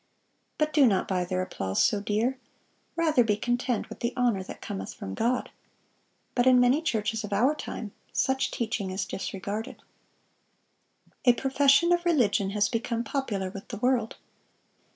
But do not buy their applause so dear. Rather be content with the honor that cometh from God."(638) But in many churches of our time, such teaching is disregarded. A profession of religion has become popular with the world.